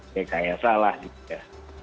kayaknya salah gitu ya